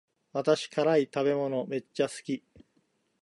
私は辛い食べ物めっちゃ好き